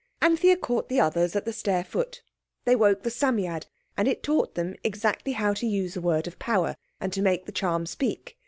Anthea caught the others at the stair foot. They woke the Psammead, and it taught them exactly how to use the word of power, and to make the charm speak.